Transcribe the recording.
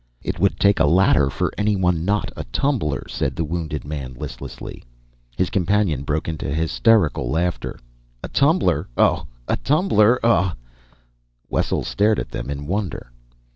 "It would take a ladder for any one not a tumbler," said the wounded man listlessly. His companion broke into hysterical laughter. "A tumbler. Oh, a tumbler. Oh " Wessel stared at them in wonder.